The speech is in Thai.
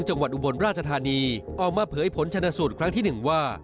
อุบลราชธานีออกมาเผยผลชนสูตรครั้งที่หนึ่งว่า